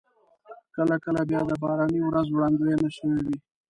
کله کله بیا د باراني ورځ وړاندوينه شوې وي.